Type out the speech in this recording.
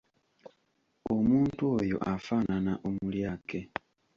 Omuntu oyo afaanana omulyake.